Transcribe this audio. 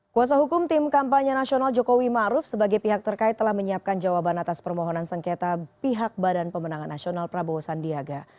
kuasa hukum tim kampanye nasional jokowi maruf sebagai pihak terkait telah menyiapkan jawaban atas permohonan sengketa pihak badan pemenangan nasional prabowo sandiaga